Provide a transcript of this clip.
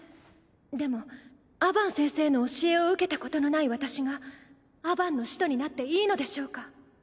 でもアバン先生の教えを受けたことのない私がアバンの使徒になっていいのでしょうか？